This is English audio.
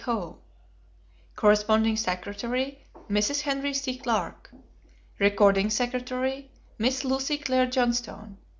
Howe. Corresponding Secretary. Mrs. Henry C. Clark. Recording Secretary. Miss Lucy Claire Johnstone.